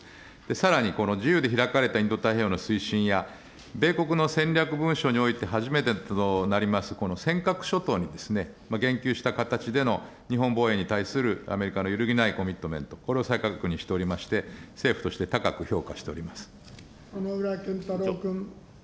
さらに、この自由で開かれた、インド太平洋の推進や米国の戦略文書において初めてとなります、この尖閣諸島に言及した形での日本防衛に対するアメリカの揺るぎないコミットメント、これを再確認しておりまして、政府として高薗浦健太郎君。